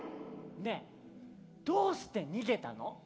ねえどうして逃げたの？